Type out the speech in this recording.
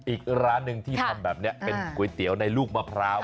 อีกร้านหนึ่งที่ทำแบบนี้เป็นก๋วยเตี๋ยวในลูกมะพร้าว